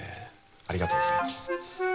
ありがとうございます